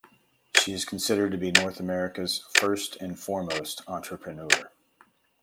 She is considered to be North America's "first and foremost entrepreneur".